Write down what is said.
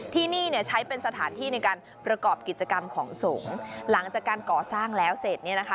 ที่นี่เนี่ยใช้เป็นสถานที่ในการประกอบกิจกรรมของสงฆ์หลังจากการก่อสร้างแล้วเสร็จเนี่ยนะคะ